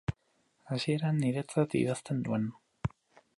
Hasieran, niretzat idazten nuen.